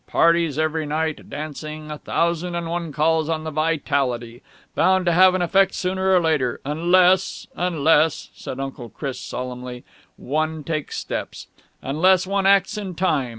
Parties every night ... dancing ... a thousand and one calls on the vitality ... bound to have an effect sooner or later, unless unless," said Uncle Chris solemnly, "one takes steps. Unless one acts in time.